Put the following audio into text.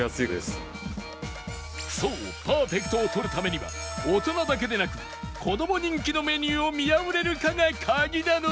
そうパーフェクトをとるためには大人だけでなく子ども人気のメニューを見破れるかが鍵なのだ！